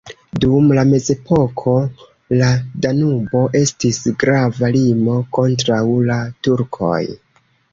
Dum la mezepoko la Danubo estis grava limo kontraŭ la turkoj.